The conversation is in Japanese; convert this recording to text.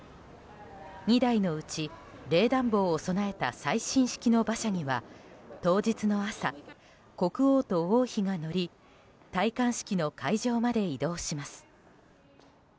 ２台のうち、冷暖房を備えた最新式の馬車には当日の朝、国王と王妃が乗り戴冠式の会場まで移動します。